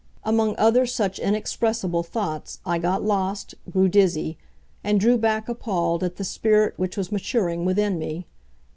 Among other such inexpressible thoughts I got lost, grew dizzy, and drew back appalled at the spirit which was maturing within me.